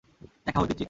দেখা হবে, পিচ্চি।